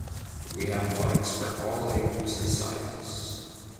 We have bikes for all ages and sizes.